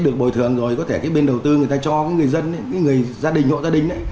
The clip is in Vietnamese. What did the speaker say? được bồi thường rồi có thể cái bên đầu tư người ta cho người dân người gia đình hộ gia đình ấy